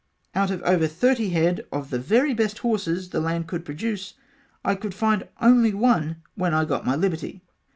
Out of over thirty head of the very best horses the land could produce I could only find one when I got my liberty.